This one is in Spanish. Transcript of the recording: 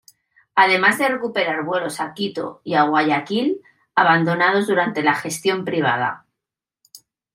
Además de recuperar vuelos a Quito y Guayaquil, abandonados durante la gestión privada.